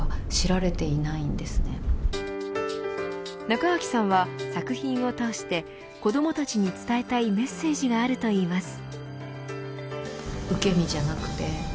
中脇さんは作品を通して子どもたちに伝えたいメッセージがあるといいます。